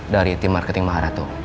dari tim marketing maharatu